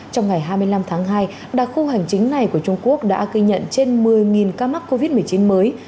trong ngày hai mươi năm tháng hai đặc khu hành chính này của trung quốc đã ghi nhận trên một mươi ca mắc covid một mươi chín mới